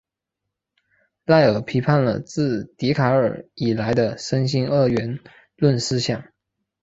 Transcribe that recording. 赖尔批判了自笛卡尔以来的身心二元论思想。